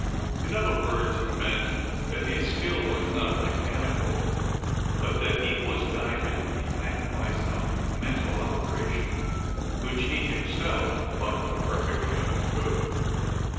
In other words: he meant, that his skill was not mechanical; but that he was guided in the act by some mental operation which he himself but imperfectly understood.